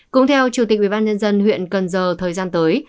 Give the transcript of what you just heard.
cũng theo chủ tịch ubnd huyện cần giờ thời gian tới